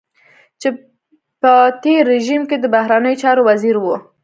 چې په تېر رژيم کې د بهرنيو چارو وزير و.